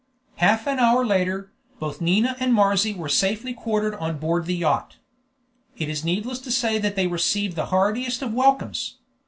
Half an hour later, both Nina and Marzy were safely quartered on board the yacht. It is needless to say that they received the heartiest of welcomes.